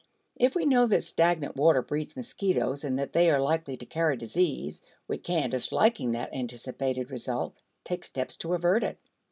If we know that stagnant water breeds mosquitoes and that they are likely to carry disease, we can, disliking that anticipated result, take steps to avert it.